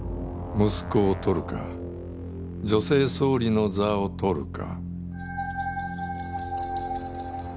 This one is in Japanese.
息子を取るか女性総理の座を取るか。